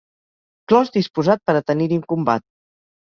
Clos disposat per a tenir-hi un combat.